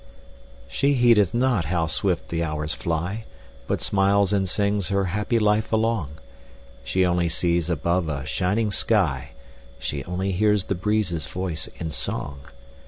She heedeth not how swift the hours fly, But smiles and sings her happy life along; She only sees above a shining sky; She only hears the breezes' voice in song.